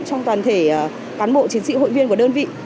trong toàn thể cán bộ chiến sĩ hội viên của đơn vị